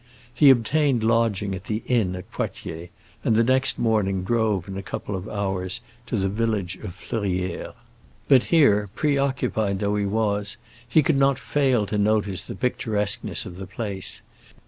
He obtained lodging at the inn at Poitiers, and the next morning drove in a couple of hours to the village of Fleurières. But here, preoccupied though he was, he could not fail to notice the picturesqueness of the place.